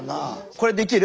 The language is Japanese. これできる？